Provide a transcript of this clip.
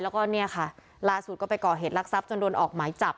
แล้วก็เนี่ยค่ะล่าสุดก็ไปก่อเหตุลักษัพจนโดนออกหมายจับ